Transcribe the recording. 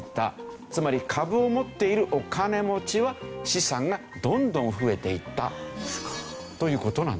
つまり株を持っているお金持ちは資産がどんどん増えていったという事なんですよね。